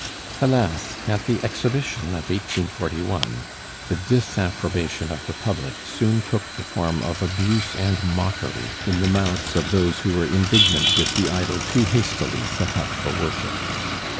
Alas! at the exhibition of 1841, the disapprobation of the public soon took the form of abuse and mockery in the mouths of those who were indignant with the idol too hastily set up for worship.